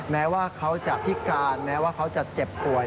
แม้ว่าเขาจะพิการแม้ว่าเขาจะเจ็บป่วย